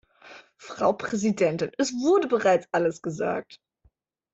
Frau Präsidentin, es wurde bereits Alles gesagt.